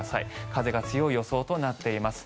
風が強い予想となっています。